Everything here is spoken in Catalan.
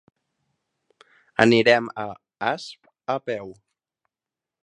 Anirem a Asp a peu.